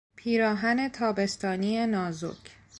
پیراهن تابستانی نازک